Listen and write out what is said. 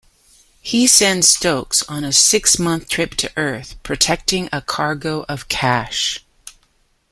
He sends Stokes on a six-month trip to Earth, protecting a cargo of cash.